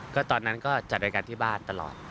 ก็ตอนนั้นก็จัดรายการที่บ้านตลอด